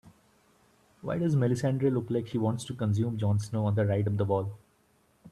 Why does Melissandre look like she wants to consume Jon Snow on the ride up the wall?